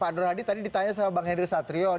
pak dorohadi tadi ditanya sama bang henry satrio